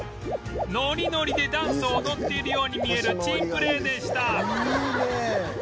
ノリノリでダンスを踊っているように見える珍プレーでした